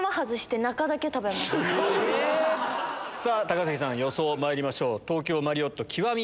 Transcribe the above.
高杉さん予想まいりましょう。